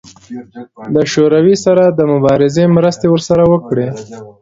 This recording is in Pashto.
د شوروي سره د مبارزې مرستې ورسره وکړي.